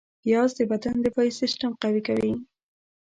پیاز د بدن دفاعي سیستم قوي کوي